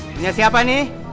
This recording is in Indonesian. punya siapa ini